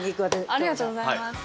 ありがとうございます。